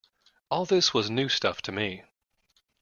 All this was new stuff to me.